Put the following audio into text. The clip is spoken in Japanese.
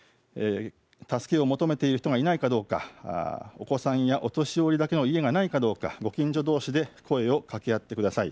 助けを求めている人がいないかどうか、お子さんやお年寄りだけの家がないかどうかご近所どうしで声をかけ合ってください。